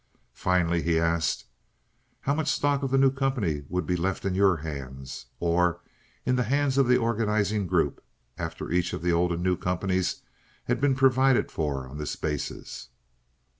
Finally he asked, "How much stock of the new company would be left in your hands—or in the hands of the organizing group—after each of the old and new companies had been provided for on this basis?"